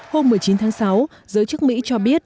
hôm một mươi chín tháng sáu giới chức mỹ cho biết